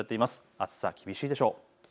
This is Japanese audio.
暑さ厳しいでしょう。